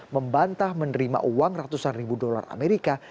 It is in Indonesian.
membantah menerima uang ratusan ribu dolar amerika